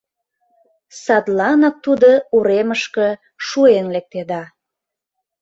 Садланак тудо уремышке шуэн лектеда.